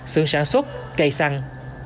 xưởng sản xuất cây xăng